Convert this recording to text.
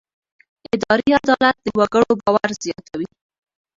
اداري عدالت د وګړو باور زیاتوي.